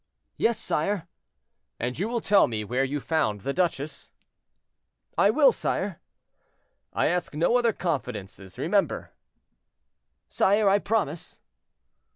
"Yes, sire." "And you will tell me where you found the duchesse?" "I will, sire." "I ask no other confidences; remember." "Sire, I promise."